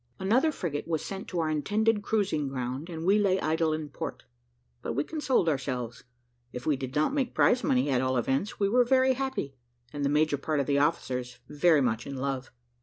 Another frigate was sent to our intended cruising ground, and we lay idle in port. But we consoled ourselves: if we did not make prize money, at all events, we were very happy, and the major part of the officers very much in love.